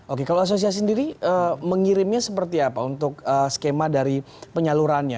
oke kalau asosiasi sendiri mengirimnya seperti apa untuk skema dari penyalurannya